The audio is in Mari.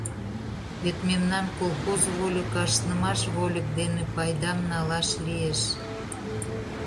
Вет мемнан колхоз вольык ашнымаш вольык дене пайдам налаш лиеш.